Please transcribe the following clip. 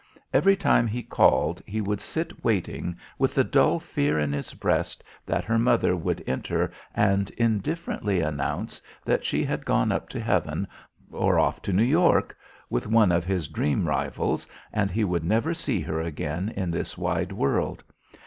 Every time he called, he would sit waiting with the dull fear in his breast that her mother would enter and indifferently announce that she had gone up to heaven or off to New York, with one of his dream rivals, and he would never see her again in this wide world.